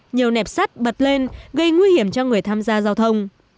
nhiều nẹp sắt bật lên gây nguy hiểm cho người tham gia giao thông